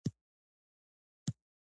دوی به ټول پټه خوله او په ادب ناست وو.